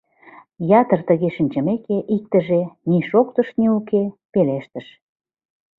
Ятыр тыге шинчымеке, иктыже — ни шоктыш, ни уке — пелештыш: